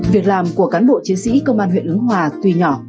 việc làm của cán bộ chiến sĩ công an huyện ứng hòa tuy nhỏ